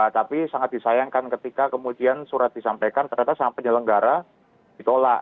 tapi sangat disayangkan ketika kemudian surat disampaikan ternyata sama penyelenggara ditolak